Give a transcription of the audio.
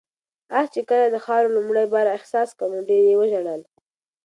آس چې کله د خاورو لومړی بار احساس کړ نو ډېر یې وژړل.